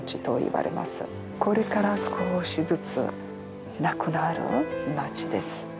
これから少しずつなくなる町です。